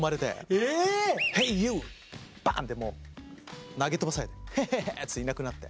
ええ⁉バーンってもう投げ飛ばされてへへへっていなくなって。